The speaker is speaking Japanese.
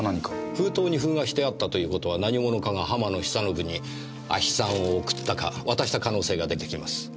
封筒に封がしてあったという事は何者かが浜野久信に亜ヒ酸を送ったか渡した可能性が出てきます。